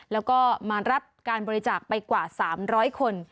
แล้วก็มารับการบริจาคไปกว่า๓๐๐คน